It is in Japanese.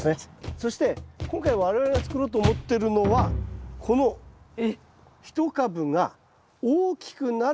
そして今回我々が作ろうと思ってるのはこの一株が大きくなるミズナです。